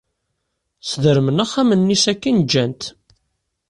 Sdermen axxam-nni sakkin ǧǧan-t.